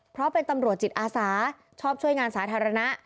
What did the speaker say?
เพราะเป็นตำรวจจิตอาสาชอบช่วยงานสาธารณะ